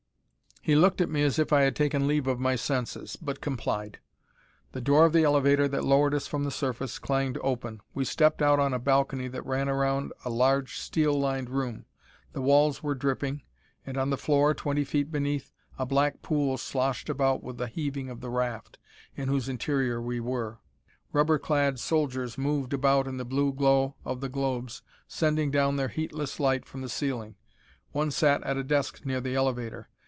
He looked at me as if I had taken leave of my senses, but complied. The door of the elevator that lowered us from the surface clanged open. We stepped out on a balcony that ran around a large, steel lined room. The walls were dripping, and on the floor, twenty feet beneath, a black pool sloshed about with the heaving of the raft, in whose interior we were. Rubber clad soldiers moved about in the blue glow of the globes sending down their heatless light from the ceiling. One sat at a desk near the elevator.